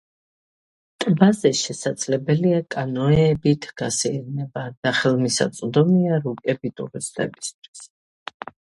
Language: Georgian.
ტბაზე შესაძლებელია კანოეებით გასეირნება და ხელმისაწვდომია რუკები ტურისტებისთვის.